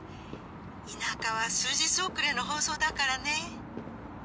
田舎は数日遅れの放送だからねえ。